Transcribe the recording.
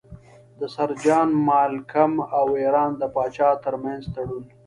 د سر جان مالکم او ایران د پاچا ترمنځ تړون.